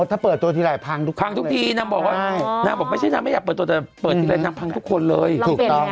ชู้นี้เค้าก็น่ารักนะครับแต่ยังไม่เปิดตัวมาก